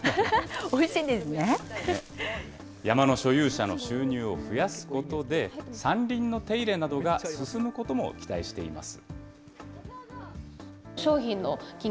山の所有者の収入を増やすことで、山林の手入れなどが進むことも期待しています。